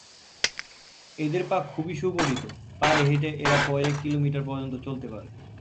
এদের পা খুবই সুগঠিত, পায়ে হেটে এরা কয়েক কিলোমিটার পর্যন্ত চলতে পারে।